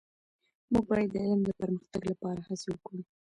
موږ باید د علم د پرمختګ لپاره هڅې وکړو.